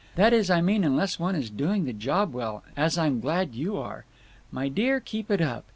That is I mean unless one is doing the job well, as I'm glad you are. My Dear, keep it up.